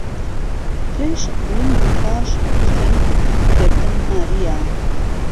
پێش بڵند و پاش کورتی گهردن ماریه